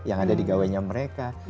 yang ada di gawainya mereka